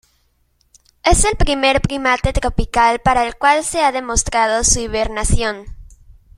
Es el primer primate tropical para el cual se ha demostrado su hibernación.